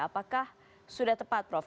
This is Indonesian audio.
apakah sudah tepat prof